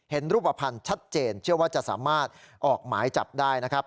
รูปภัณฑ์ชัดเจนเชื่อว่าจะสามารถออกหมายจับได้นะครับ